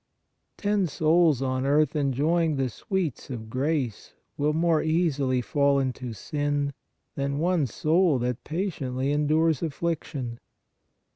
Ten souls on earth enjoying the sweets of grace will more easily fall into sin than one soul that patiently endures affliction.